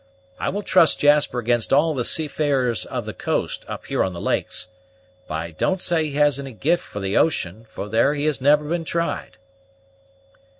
I will trust Jasper against all the seafarers of the coast, up here on the lakes; but I do not say he has any gift for the ocean, for there he has never been tried."